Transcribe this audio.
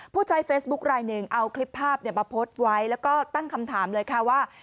ผู้ใช้เฟซบุ๊คลายหนึ่งเอาคลิปภาพมาโพสต์ไว้แล้วก็ตั้งคำถามเลยค่ะว่า